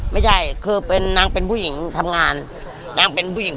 ไม่ใช่คือเป็นนางเป็นผู้หญิงทำงานนางเป็นผู้หญิง